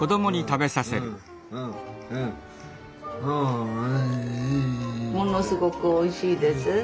「ものすごくおいしいです」？